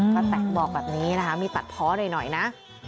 แตนบอกแบบนี้นะคะมีตัดเพาะหน่อยนะ